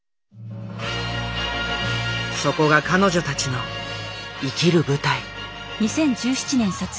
そこが彼女たちの生きる舞台。